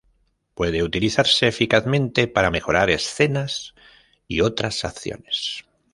Pueden utilizarse eficazmente para mejorar escenas y otras acciones.